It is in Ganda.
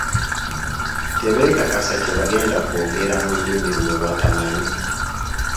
Tebeekakasa kye bagenda kwogera mu lulimi lwe batamanyi.